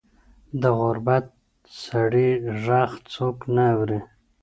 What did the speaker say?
د غریب سړي ږغ څوک نه اوري.